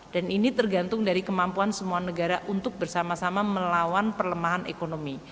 dan ini tergantung dari kemampuan semua negara untuk bersama sama melawan pelemahan ekonomi